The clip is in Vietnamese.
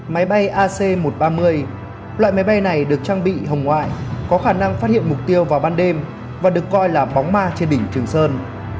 máy bay ac một trăm ba mươi loại máy bay này được trang bị hồng ngoại có khả năng phát hiện mục tiêu vào ban đêm và được coi là bóng ma trên đỉnh trường sơn